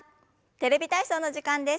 「テレビ体操」の時間です。